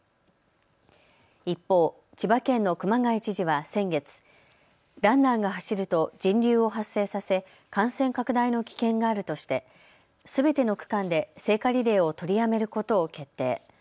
一方、千葉県の熊谷知事は先月、ランナーが走ると人流を発生させ感染拡大の危険があるとしてすべての区間で聖火リレーを取りやめることを決定。